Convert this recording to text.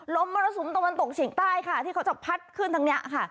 มรสุมตะวันตกเฉียงใต้ค่ะที่เขาจะพัดขึ้นทางนี้ค่ะ